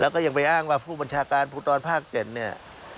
แล้วก็ยังไปอ้างว่าผู้บัญชาการภูทรภาค๗เนี่ย